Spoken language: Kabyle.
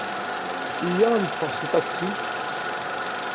Iyya ad neffeɣ seg uṭaksi.